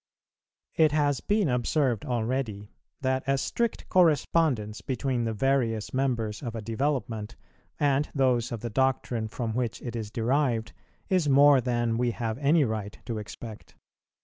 It has been observed already that a strict correspondence between the various members of a development, and those of the doctrine from which it is derived, is more than we have any right to expect.